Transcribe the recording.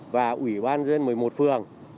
và ủy ban dân một mươi một phường